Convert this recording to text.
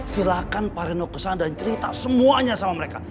silahkan pak reno kesana dan cerita semuanya sama mereka